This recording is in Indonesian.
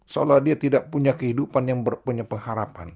seolah dia tidak punya kehidupan yang punya pengharapan